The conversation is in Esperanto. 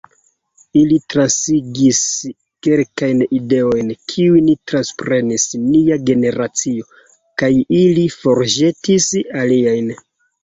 Ili transigis kelkajn ideojn, kiujn transprenis nia generacio, kaj ili forĵetis aliajn.